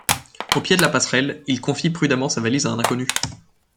Au pied de la passerelle, il confie prudemment sa valise à un inconnu.